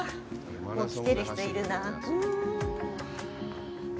もう来てる人いるなあ。